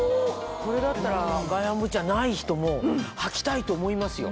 これだったら外反母趾じゃない人も履きたいと思いますよ